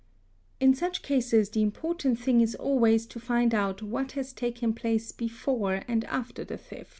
In such cases the important thing is always to find out what has — taken place before and after the theft.